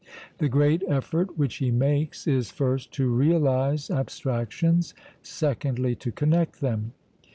The great effort which he makes is, first, to realize abstractions, secondly, to connect them.